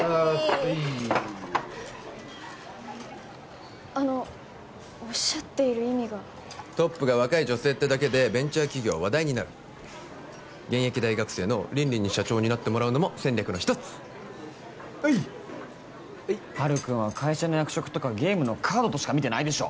はいあのおっしゃっている意味がトップが若い女性ってだけでベンチャー企業は話題になる現役大学生の凜々に社長を担ってもらうのも戦略の一つはいハル君は会社の役職とかゲームのカードとしか見てないでしょ